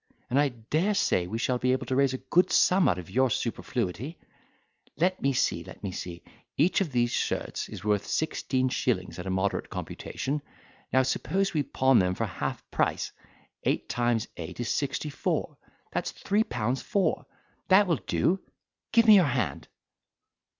and I dare say we shall be able to raise a good sum out of your superfluity: let me see—let me see—each of these shirts is worth sixteen shillings at a moderate computation—now, suppose we pawn them for half price—eight times eight is sixty four, that's three pounds four; that will do—give me your hand."